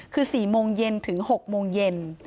คือ๔โมงเย็นถึง๖โมงเย็น